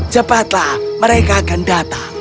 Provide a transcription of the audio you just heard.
cepatlah mereka akan datang